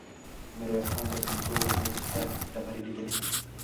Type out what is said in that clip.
ميرويس خان له پنځو ورځو وروسته ډبرې ليدلې.